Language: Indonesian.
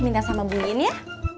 minta sama bu yin ya